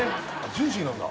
ジューシーなんだ？